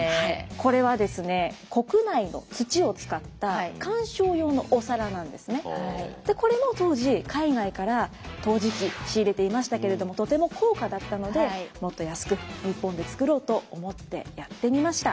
これはですねこれも当時海外から陶磁器仕入れていましたけれどもとても高価だったのでもっと安く日本で作ろうと思ってやってみました。